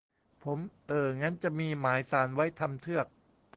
ผม : เอ่อ งั้นจะมีหมายศาลไว้ทำเทือก